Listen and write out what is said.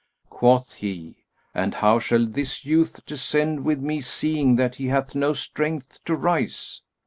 Quoth he, "And how shall this youth descend with me seeing that he hath no strength to rise?"